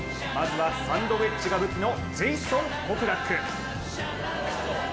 まずはサンドウエッジが武器のジェイソン・コクラック。